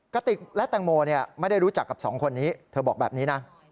กระติกและแตงโมไม่ได้รู้จักกับสองคนนี้เธอบอกแบบนี้นะ